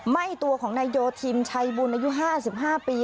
ไหม้ตัวของนายโยธินชัยบุญอายุ๕๕ปี